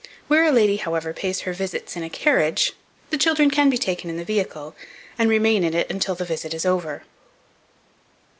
Where a lady, however, pays her visits in a carriage, the children can be taken in the vehicle, and remain in it until the visit is over.